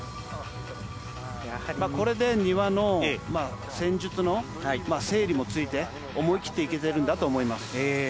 これで丹羽の戦術の整理もついて思い切って行けているんだと思います。